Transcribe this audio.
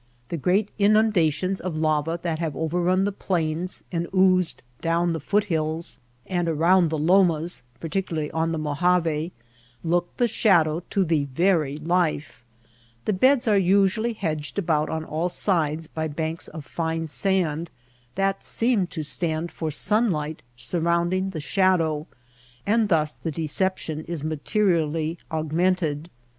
The great inundations of lava that have overrun the plains and oozed down the foot hills and around the lomas (par ticularly on the Mojave) look the shadow to the very life. The beds are usually hedged about on all sides by banks of fine sand that seem to stand for sunlight surrounding the shadow, and thus the deception is materially augmented.